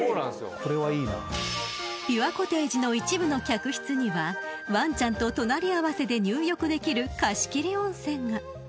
［ピュアコテージの一部の客室にはワンちゃんと隣り合わせで入浴できる貸し切り温泉が］